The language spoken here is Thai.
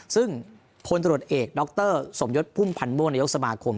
ซึ่งพลตรวจเอกดรสมยศพุ่มพันธ์ม่วงนายกสมาคม